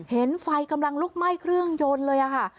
เห็นไฟกำลังลุกไหม้เครื่องยนต์เลยค่ะ